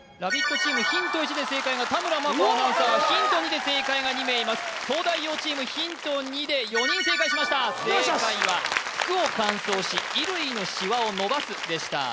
チームヒント１で正解が田村真子アナウンサーヒント２で正解が２名います東大王チームヒント２で４人正解しました正解は服を乾燥し衣類のシワをのばすでした